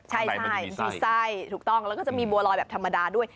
ใช่มันมีไส้ถูกต้องแล้วก็จะมีบัวลอยแบบธรรมดาด้วย